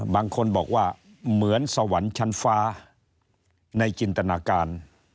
บางคนบอกว่าเหมือนสวรรค์ชั้นฟ้าในจินตนาการ